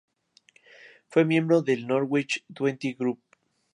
Fue miembro del Norwich Twenty Grup.